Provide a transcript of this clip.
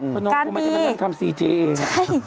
น้องก็ไม่ได้กระทำทำซีเจใช่